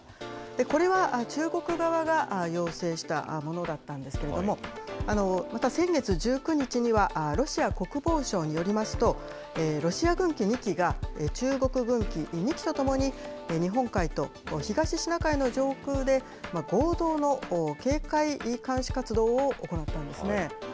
これは中国側が要請したものだったんですけれども、また先月１９日には、ロシア国防省によりますと、ロシア軍機２機が中国軍機２機と共に、日本海と東シナ海の上空で合同の警戒監視活動を行ったんですね。